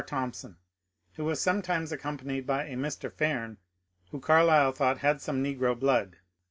Thompson, who was sometimes accompanied by a Mr. Faim, who Carlyle thought had some negro blood.